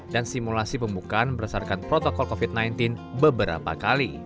dan simulasi pembukaan berdasarkan protokol covid sembilan belas beberapa kali